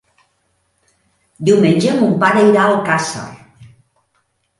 Diumenge mon pare irà a Alcàsser.